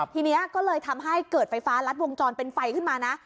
ทีนี้ก็เลยทำให้เกิดไฟฟ้ารัดวงจรเป็นไฟขึ้นมานะ